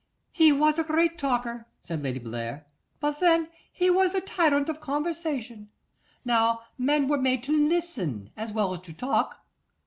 'He was a great talker,' said Lady Bellair, 'but then, he was the tyrant of conversation. Now, men were made to listen as well as to talk.